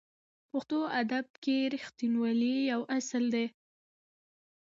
پښتو ادب کې رښتینولي یو اصل دی.